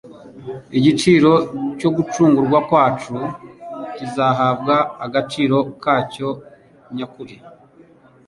Igiciro cy'ugucungurwa kwacu kizahabwa agaciro kacyo nyakuri